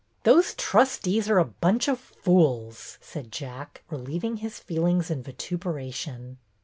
Those trustees are a bunch of fools," said Jack, relieving his feelings in vituperation.